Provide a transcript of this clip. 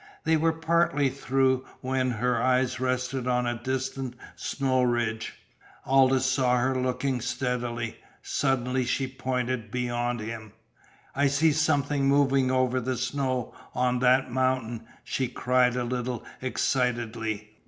They were partly through when her eyes rested on the distant snow ridge. Aldous saw her looking steadily. Suddenly she pointed beyond him. "I see something moving over the snow on that mountain!" she cried a little excitedly.